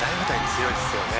「強いですね」